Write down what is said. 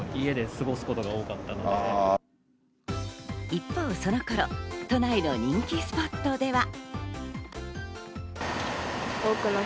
一方その頃、都内の人気スポットでは。